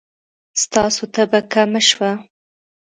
ستاسو تبه کمه شوه؟